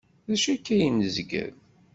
D acu akka ay nezgel?